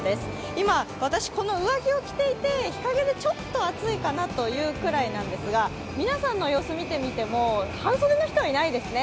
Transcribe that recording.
今、この上着を着ていて日影でちょっと暑いかなというぐらいなんですが皆さんの様子見てみても、半袖の人はいないですね。